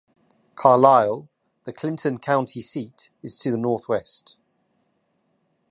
Carlyle, the Clinton County seat, is to the northwest.